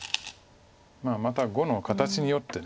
まあまた碁の形によって。